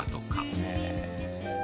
へえ。